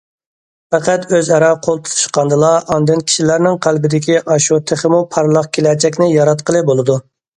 پەقەت ئۆز ئارا قول تۇتۇشقاندىلا، ئاندىن كىشىلەرنىڭ قەلبىدىكى ئاشۇ تېخىمۇ پارلاق كېلەچەكنى ياراتقىلى بولىدۇ.